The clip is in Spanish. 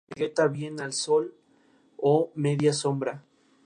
En esos tres años se produjeron la mayor parte de los vuelos.